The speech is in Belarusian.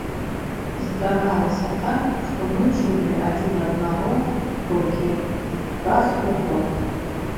Здаралася так, што мы чулі адзін аднаго толькі раз у год.